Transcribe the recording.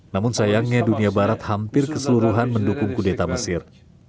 namun sayangnya dunia barat hampir keseluruhan mendukung kudeta mesir